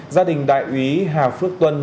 gia đình đại úy hà phước tuân